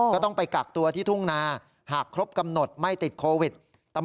ก็ต้องไปกักตัวที่ทุ่งนา